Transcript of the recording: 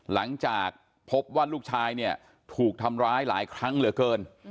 หลังจากพบว่าลูกชายเนี่ยถูกทำร้ายหลายครั้งเหลือเกิน